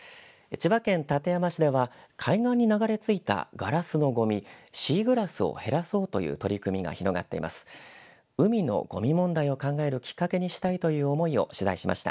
千葉県館山市では海岸に流れ着いたガラスのごみシーグラスを減らそうという取り組みが広がっています。